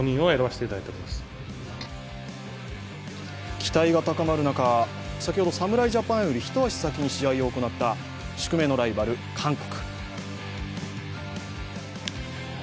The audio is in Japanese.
期待が高まる中、先ほど侍ジャパンより一足先に試合を行った宿命のライバル・韓国。